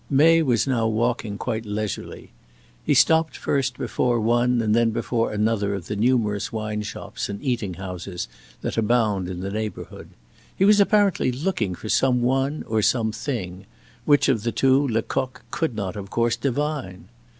May was now walking quite leisurely. He stopped first before one and then before another of the numerous wine shops and eating houses that abound in this neighborhood. He was apparently looking for some one or something, which of the two Lecoq could not, of course, divine.